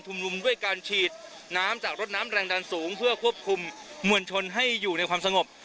นุมด้วยการฉีดน้ำจากรถน้ำแรงดันสูงเพื่อควบคุมมวลชนให้อยู่ในความสงบ